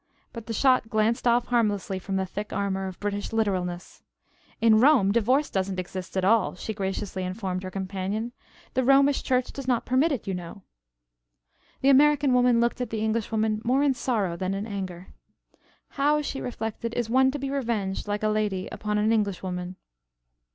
But the shot glanced off harmlessly from the thick armor of British literalness. "In Rome divorce doesn't exist at all," she graciously informed her companion. "The Romish church does not permit it, you know." The American woman looked at the Englishwoman more in sorrow than in anger. "How," she reflected, "is one to be revenged like a lady upon an Englishwoman?"